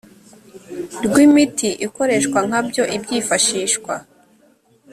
rw imiti ikoreshwa nka byo ibyifashishwa